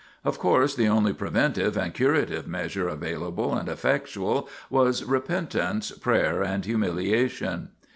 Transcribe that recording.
Of course, the only preventive and curative measure available and effectual was "repentance, prayer, and humiliation."